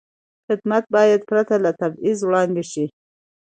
خدمت باید پرته له تبعیض وړاندې شي.